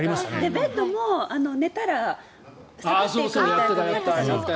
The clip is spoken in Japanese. ベッドも寝たら下がっていくみたいなやったじゃないですか。